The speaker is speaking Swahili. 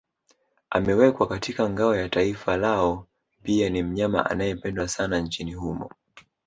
Amewekwa katika ngao ya taifa lao pia ni mnyama anayependwa sana nchini humo